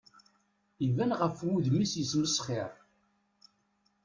Iban ɣef wudem-is yesmesxir.